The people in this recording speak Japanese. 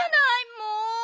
もう！